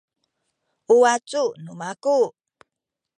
u wacu nu maku